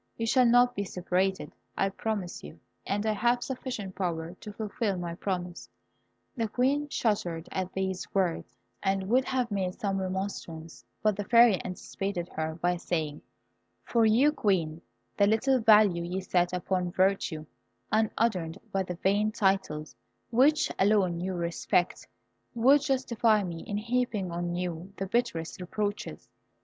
You shall not be separated, I promise you; and I have sufficient power to fulfil my promise." The Queen shuddered at these words, and would have made some remonstrance, but the Fairy anticipated her by saying, "For you, Queen, the little value you set upon virtue, unadorned by the vain titles which alone you respect, would justify me in heaping on you the bitterest reproaches.